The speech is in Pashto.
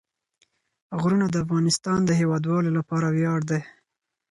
غرونه د افغانستان د هیوادوالو لپاره ویاړ دی.